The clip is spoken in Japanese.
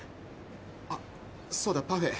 あっそうだパフェ。